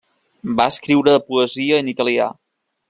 Va escriure poesia en italià.